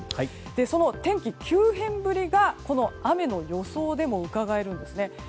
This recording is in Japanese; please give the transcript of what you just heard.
その天気急変ぶりがこの雨の予想でもうかがえるんですね。